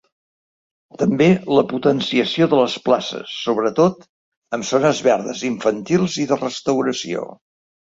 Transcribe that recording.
També la potenciació de les places, sobretot, amb zones verdes, infantils i de restauració.